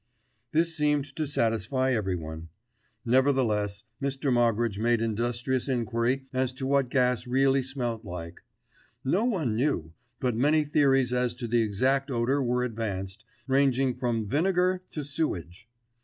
This seemed to satisfy everyone. Nevertheless, Mr. Moggridge made industrious enquiry as to what gas really smelt like. No one knew; but many theories as to the exact odour were advanced, ranging from vinegar to sewage.